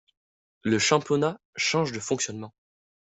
Le championnat change de fonctionnement.